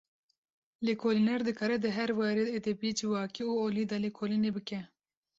Lêkolîner, dikare di her warê edebî, civakî û olî de lêkolînê bike